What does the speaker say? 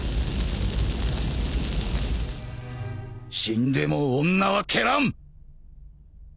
死んでも女は蹴らん！